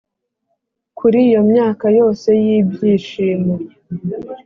kuri iyo myaka yose y'ibyishimo. ..